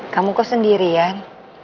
kamu kok sendirian